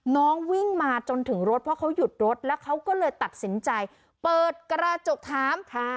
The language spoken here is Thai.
น้องวิ่งมาจนถึงรถเพราะเขาหยุดรถแล้วเขาก็เลยตัดสินใจเปิดกระจกถาม